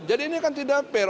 jadi ini kan tidak fair